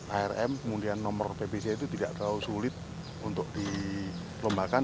arm kemudian nomor pbc itu tidak terlalu sulit untuk dilombakan